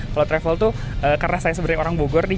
kalau travel tuh karena saya sebenarnya orang bogor nih